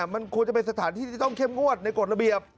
มันควรจะเป็นสถานที่ที่จะต้องเข้มงวดในกฎระเบียบ